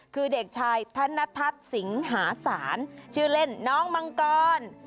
คือเด็กชายธนทัศน์สิงหาศาลชื่อเล่นน้องมังกร